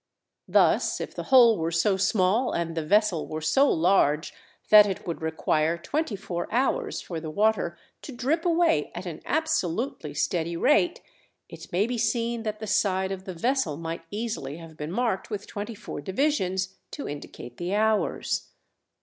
Thus, if the hole were so small and the vessel were so large that it would require twenty four hours for the water to drip away at an absolutely steady rate, it may be seen that the side of the vessel might easily have been marked with twenty four divisions to indicate the hours.